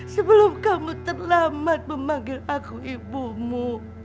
sebelum kamu terlambat memanggil aku ibumu